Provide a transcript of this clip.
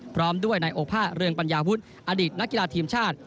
พร้อมด้วยนายโอภาษเรืองปัญญาวุฒิอดีตนักกีฬาทีมชาติ